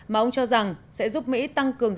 mà ông cho rằng sẽ giúp mỹ tăng cường